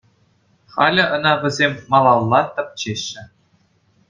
Халӗ ӑна вӗсем малалла тӗпчеҫҫӗ.